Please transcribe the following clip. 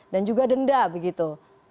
dan juga denda begitu